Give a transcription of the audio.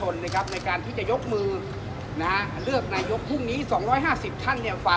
แล้วก็มีการปฏิบัติตามขั้นตอนหรือไม่